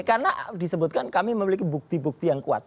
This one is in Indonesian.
karena disebutkan kami memiliki bukti bukti yang kuat